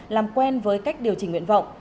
làm quen với cách điều chỉnh nguyện vọng